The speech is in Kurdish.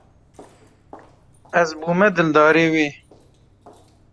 Ez bûme dildarê wê.